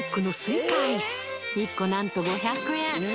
１個なんと５００円！